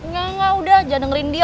ya udah jangan dengerin dia